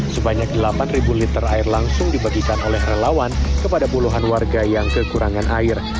sebanyak delapan liter air langsung dibagikan oleh relawan kepada puluhan warga yang kekurangan air